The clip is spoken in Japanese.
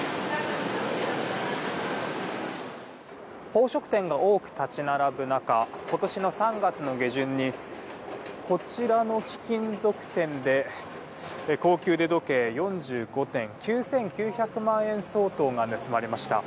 宝飾店が多く立ち並ぶ中今年の３月の下旬にこちらの貴金属店で高級腕時計４５点９９００万円相当が盗まれました。